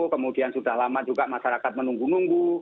kemudian sudah lama juga masyarakat menunggu nunggu